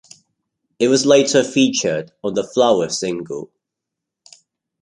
It was later featured on the "Flower" single.